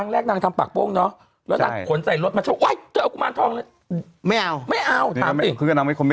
องค์นั้นองค์สีรองทอง